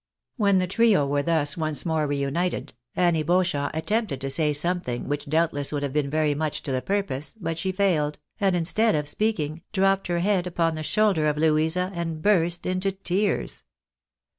When the trio were thus once more reunited, Annie Beau champ attempted to say someting which doubtless would have been very much to the purpose, but she failed, and instead of speaking, dropped her head upon the shoulder of Louisa, and burst into tears.